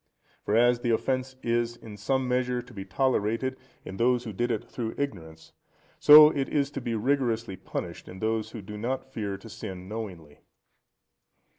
For as the offence is, in some measure, to be tolerated in those who did it through ignorance, so it is to be rigorously punished in those who do not fear to sin knowingly.